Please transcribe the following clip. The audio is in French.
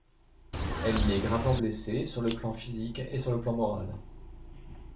Elle y est gravement blessée, sur le plan physique et sur le plan moral.